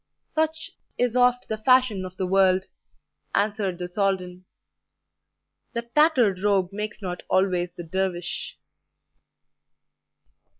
"Such is oft the fashion of the world," answered the Soldan: "the tattered robe makes not always the dervish."